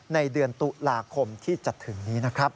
ในเดือนตุลาคมที่จะถึงนี้นะครับ